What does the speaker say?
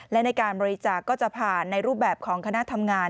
และในการบริจาคก็จะผ่านในรูปแบบของคณะทำงาน